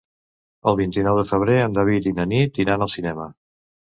El vint-i-nou de febrer en David i na Nit iran al cinema.